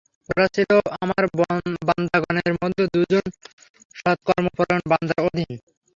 ওরা ছিল আমার বান্দাগণের মধ্যে দুজন সৎকর্মপরায়ণ বান্দার অধীন।